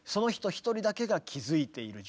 一人だけが気づいている状態。